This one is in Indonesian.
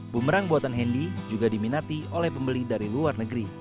bumerang buatan hendy juga diminati oleh pembeli dari luar negeri